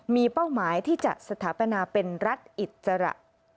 มีเป้าหมายที่จะสถาปนาเป็นรัฐอิสระ